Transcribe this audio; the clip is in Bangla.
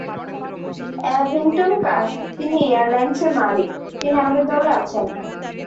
অ্যাভিংটন কার, তিনি এয়ারলাইনসের মালিক, তিনি আমাদের দলে আছেন।